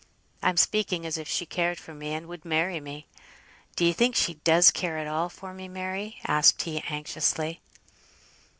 I'm speaking as if she cared for me, and would marry me; d'ye think she does care at all for me, Mary?" asked he, anxiously.